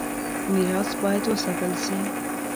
ميراث بايد وساتل شي.